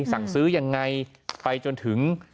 สั่งซื้อยังไงไปจนถึง